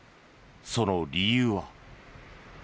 その理由は。